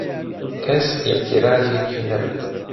کەس ئێعترازێکی نەبوو